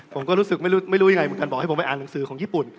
ผมก็รู้สึกไม่รู้ยังไงเหมือนกันบอกให้ผมไปอ่านหนังสือของญี่ปุ่น